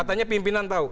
katanya pimpinan tahu